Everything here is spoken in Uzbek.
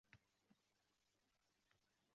Shtatning o'zi "krishna" bo'ladi